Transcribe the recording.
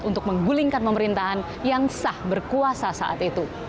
untuk menggulingkan pemerintahan yang sah berkuasa saat itu